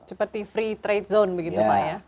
seperti free trade zone begitu pak ya